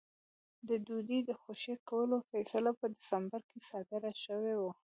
د دوی د خوشي کولو فیصله په ډسمبر کې صادره شوې وه.